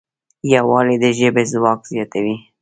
یووالی د ژبې ځواک زیاتوي.